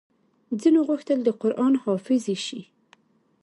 ځينو غوښتل د قران حافظې شي